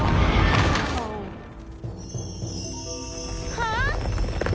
はあ？